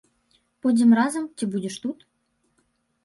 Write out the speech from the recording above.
Пойдзем разам ці будзеш тут?